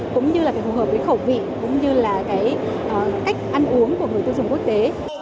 cũng như là phải phù hợp với khẩu vị cũng như là cái cách ăn uống của người tiêu dùng quốc tế